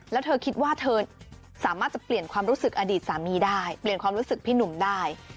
แล้วเธอคิดว่าเธอสามารถจะเปลี่ยนความรู้สึกอดีตสามีได้เปลี่ยนความรู้สึกพี่หนุ่มได้